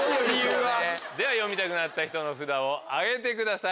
では読みたくなった人の札を挙げてください